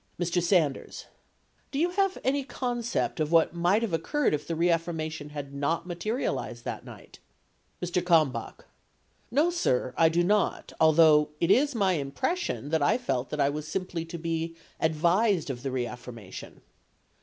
Mr. Sanders. Do you have any concept of what might have occurred if the reaffirmation had not materialized that night ? Mr. Kalmbach. No, sir ; I do not, although it is my impres sion that I felt that I was simply to be advised of the reaffir mation.